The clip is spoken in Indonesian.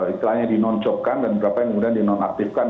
iklannya dinoncopkan dan berapa yang kemudian dinonaktifkan